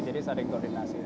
jadi sering koordinasi